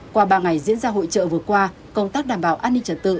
qua ba ngày diễn ra hội trợ vừa qua công tác đảm bảo an ninh trật tự